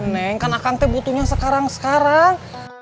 neng kan akan teh butuhnya sekarang sekarang